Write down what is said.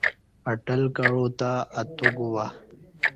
اٹل کعو تہ اتو گوبا